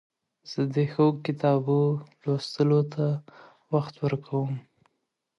زه د ښو کتابو لوستلو ته وخت ورکوم.